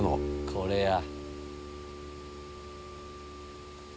これや。